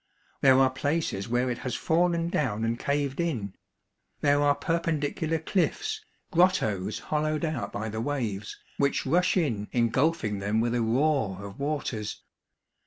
There are places where it has fallen down and caved in; there are perpendicular cliffs, grottos A Sea side Harvest, 285 hollowed out by the waves, which rush in engulfing them with a roar of waters.